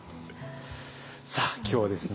さあ今日はですね